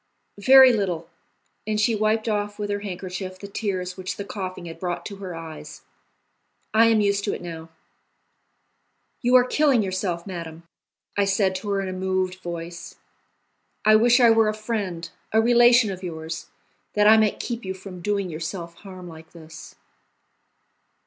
"Very little;" and she wiped off with her handkerchief the tears which the coughing had brought to her eyes; "I am used to it now." "You are killing yourself, madame," I said to her in a moved voice. "I wish I were a friend, a relation of yours, that I might keep you from doing yourself harm like this."